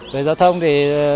về giáo thông thì